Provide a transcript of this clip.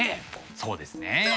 そうですね。